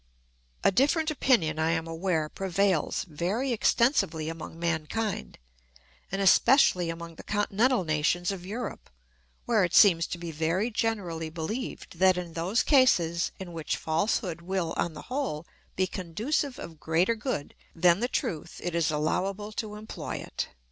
A different opinion, I am aware, prevails very extensively among mankind, and especially among the continental nations of Europe, where it seems to be very generally believed that in those cases in which falsehood will on the whole be conducive of greater good than the truth it is allowable to employ it.